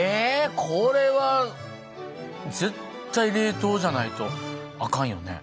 これは絶対冷凍じゃないとあかんよね。